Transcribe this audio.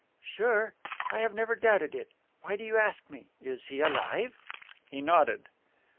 "Sure? I have never doubted it. Why do you ask me? Is he alive?" He nodded.